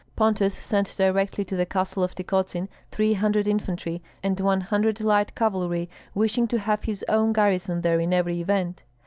Pontus sent directly to the castle of Tykotsin three hundred infantry and one hundred light cavalry, wishing to have his own garrison there in every event.